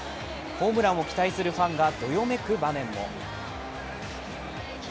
ホームランを期待するファンがどよめく場面も。